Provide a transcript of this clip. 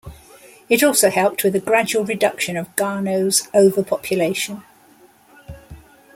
It also helped with a gradual reduction of Garneau's over-population.